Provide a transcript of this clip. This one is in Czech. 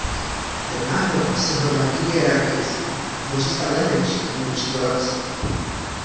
Temná hmota se hromadí hierarchicky a tvoří stále menší a menší galaxie.